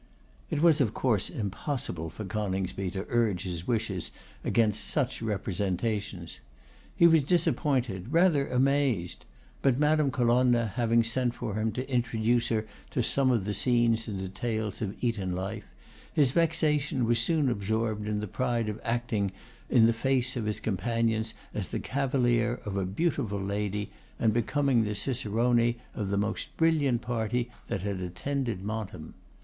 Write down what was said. It was, of course, impossible for Coningsby to urge his wishes against such representations. He was disappointed, rather amazed; but Madame Colonna having sent for him to introduce her to some of the scenes and details of Eton life, his vexation was soon absorbed in the pride of acting in the face of his companions as the cavalier of a beautiful lady, and becoming the cicerone of the most brilliant party that had attended Montem.